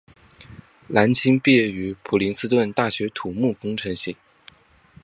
蓝钦毕业于普林斯顿大学土木工程系。